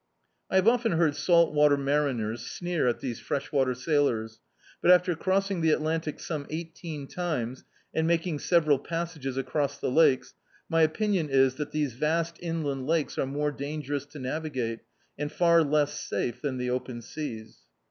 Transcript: I have often heard salt water mariners sneer at these fresh water sailors, but, after crossing the At lantic some ei^teen times, and making several pas sages across the takes, my opinion is that these vast inland lakes are more dangerous to navigate, and far less safe than the open seas.